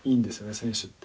選手って。